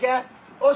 おし！